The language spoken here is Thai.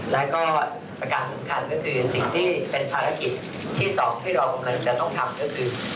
แล้วก็ประการสำคัญก็คือสิ่งที่เป็นภารกิจที่สองที่เรากำลังจะต้องทำก็คือ